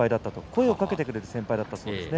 声をかけてくれる先輩だったと。